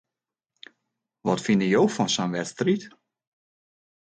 Wat fine jo fan sa'n wedstriid?